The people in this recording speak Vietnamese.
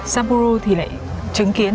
samporo thì lại chứng kiến